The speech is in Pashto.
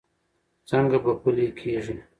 څنګه به پلي کېږي؟